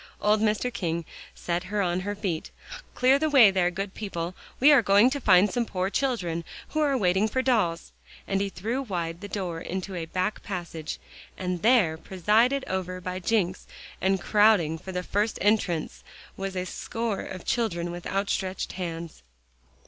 Old Mr. King set her on her feet. "Clear the way there, good people; we are going to find some poor children who are waiting for dolls," and he threw wide the door into a back passage, and there, presided over by Jencks, and crowding for the first entrance, was a score of children with outstretched hands.